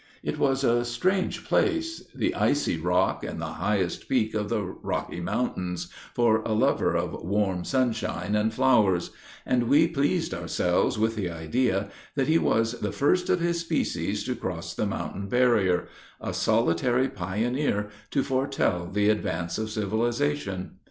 It was a strange place, the icy rock and the highest peak of the Rocky mountains, for a lover of warm sunshine and flowers; and we pleased ourselves with the idea that he was the first of his species to cross the mountain barrier a solitary pioneer to foretell the advance of civilization.